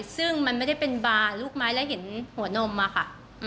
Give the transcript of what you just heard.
ซึ่งมันไม่ได้เป็นบาร์ลูกไม้แล้วเห็นหัวนมอะค่ะ